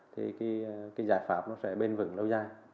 thì giải pháp sẽ bền vững lâu dài